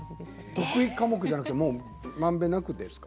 得意科目じゃなくてもう満遍なくですか？